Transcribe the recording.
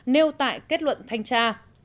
nêu tại kết luận thanh tra